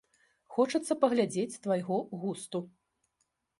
Хочацца паглядзець твайго густу.